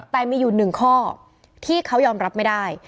แต่มีอยู่หนึ่งข้อที่เขายอมรับไม่ได้